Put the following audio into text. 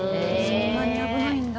そんなに危ないんだ。